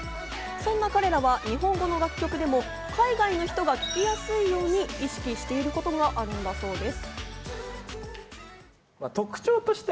そんな彼らは日本語の楽曲でも海外の人が聞きやすいように意識していることがあるんだそうです。